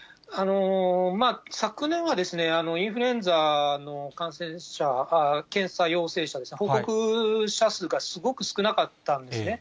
昨年はインフルエンザの感染者、検査陽性者ですが、報告者数がすごく少なかったんですね。